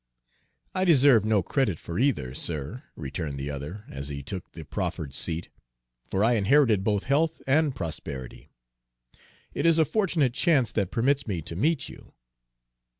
"I deserve no credit for either, sir," returned the other, as he took the proffered seat, "for I inherited both health and prosperity. It is a fortunate chance that permits me to meet you."